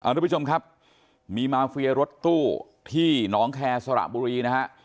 ทุกผู้ชมครับมีมาเฟียรถตู้ที่หนองแคร์สระบุรีนะฮะ